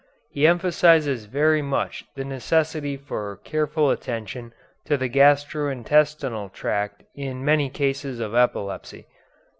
He emphasizes very much the necessity for careful attention to the gastro intestinal tract in many cases of epilepsy.